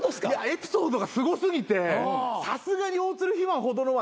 エピソードがすご過ぎてさすがに大鶴肥満ほどのはないですけど。